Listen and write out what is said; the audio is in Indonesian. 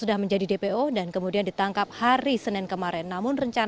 ahli bahasa ahli dari kementerian